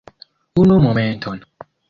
Unu momenton.